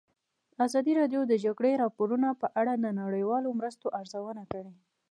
ازادي راډیو د د جګړې راپورونه په اړه د نړیوالو مرستو ارزونه کړې.